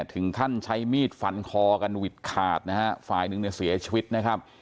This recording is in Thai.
ถึงขั้นใช้มีดฟันคอกันหวิดขาดนะฮะฝ่ายหนึ่งเนี่ยเสียชีวิตนะครับ